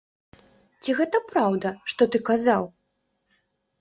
Ці гэта праўда, што ты казаў?